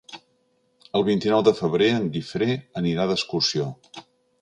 El vint-i-nou de febrer en Guifré anirà d'excursió.